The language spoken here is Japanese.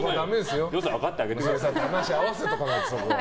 話し合わせておかないと。